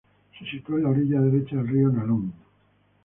Se sitúa en la orilla derecha del río Nalón.